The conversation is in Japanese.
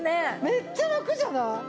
めっちゃラクじゃない？